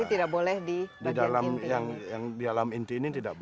tapi tidak boleh di dalam inti ini